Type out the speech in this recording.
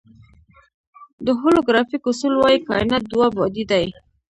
د هولوګرافیک اصول وایي کائنات دوه بعدی دی.